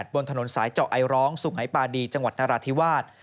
บนถนนสายเจาะไอร้องสุขไหนปาดีจังหวัดนราธิวาส